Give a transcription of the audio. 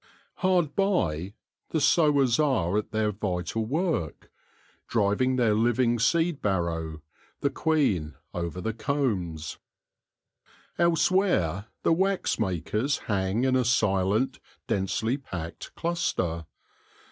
Hard by, the sowers are at their vital work, driving their living seed barrow, the queen, over the combs. Elsewhere the wax makers hang in a silent, densely packed cluster.